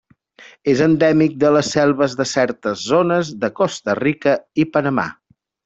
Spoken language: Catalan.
És endèmic de les selves de certes zones de Costa Rica i Panamà.